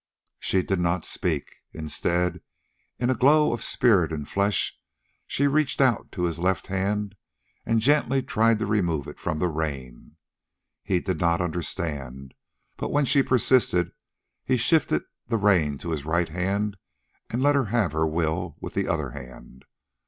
She did not speak. Instead, in a glow of spirit and flesh, she reached out to his left hand and gently tried to remove it from the rein. He did not understand; but when she persisted he shifted the rein to his right and let her have her will with the other hand.